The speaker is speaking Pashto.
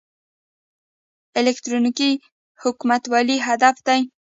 الکترونیکي حکومتولي هدف دی